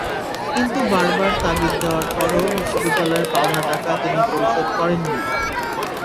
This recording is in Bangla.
কিন্তু বারবার তাগিদ দেওয়ার পরও বিশ্ববিদ্যালয়ের পাওনা টাকা তিনি পরিশোধ করেননি।